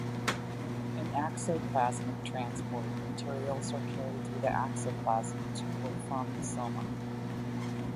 In axoplasmic transport, materials are carried through the axoplasm to or from the soma.